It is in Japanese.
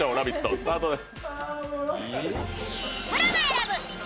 スタートです。